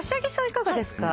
いかがですか？